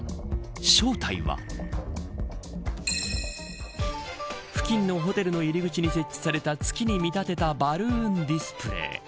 正体は付近のホテルの入り口に設置された、月に見立てたバルーンディスプレー。